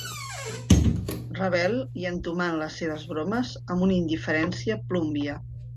Ravel i entomant les seves bromes amb una indiferència plúmbia.